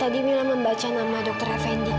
tadi mila membaca nama dokter fendi kak